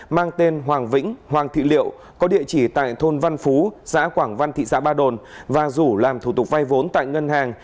mang tên hoàng vĩnh hoàng thị liệu có địa chỉ tại thôn văn phú xã quảng văn thị xã ba đồn và rủ làm thủ tục vay vốn tại ngân hàng